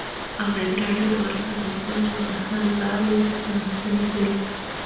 ازادي راډیو د ورزش د ستونزو حل لارې سپارښتنې کړي.